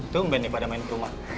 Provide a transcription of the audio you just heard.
tumben nih pada main rumah